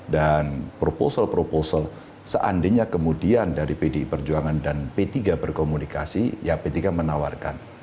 dan proposal proposal seandainya kemudian dari pdi perjuangan dan p tiga berkomunikasi ya p tiga menawarkan